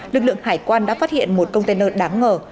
lực lượng hải quan đã phát hiện một container đáng ngờ